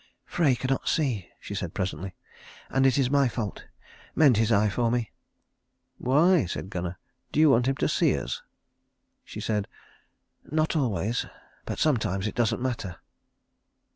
"Frey cannot see," she said presently, "and it is my fault. Mend his eye for me." "Why," said Gunnar, "do you want him to see us?" She said, "Not always but sometimes it doesn't matter."